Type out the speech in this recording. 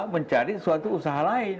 mencari suatu usaha lain